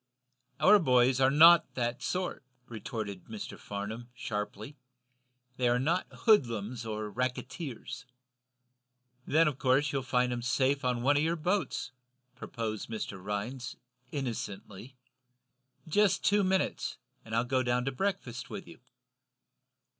"Our boys are not that sort," retorted Mr. Farnum, sharply. "They are not hoodlums or racketers." "Then of course you'll find 'em safe on one of your boats," proposed Mr. Rhinds, innocently. "Just two minutes, and I'll go down to breakfast with you."